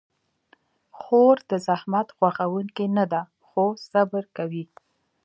خور د زحمت خوښونکې نه ده، خو صبر کوي.